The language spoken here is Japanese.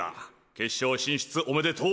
決勝進出おめでとう。